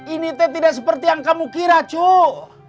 ini teh tidak seperti yang kamu kira cu